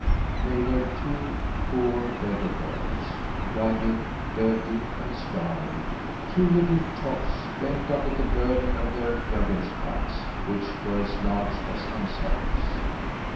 They were two poor beggar girls, ragged, dirty, and starving two little tots bent under the burden of their beggar's packs, which were as large as themselves.